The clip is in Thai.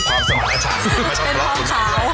เป็นทองขาว